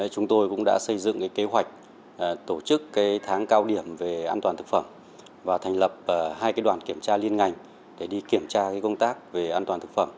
chúng tôi cũng đã xây dựng kế hoạch tổ chức tháng cao điểm về an toàn thực phẩm và thành lập hai đoàn kiểm tra liên ngành để đi kiểm tra công tác về an toàn thực phẩm